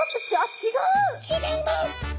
違います！